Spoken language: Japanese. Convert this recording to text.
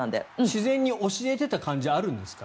自然に教えていたところはあるんですか？